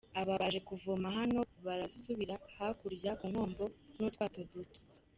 Aba baje kuvoma hano barasubira hakurya ku Nkombo n’utwato duto.